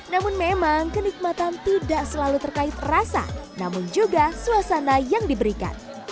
namun memang kenikmatan tidak selalu terkait rasa namun juga suasana yang diberikan